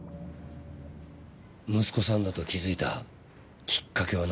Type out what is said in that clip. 息子さんだと気づいたきっかけはなんですか？